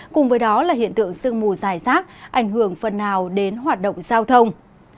cùng với đó là hiện tượng sương mù dài rác ảnh hưởng phần nào đến hoạt động giao thông